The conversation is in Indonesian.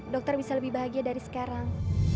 dokter bisa lebih bahagia dari sekarang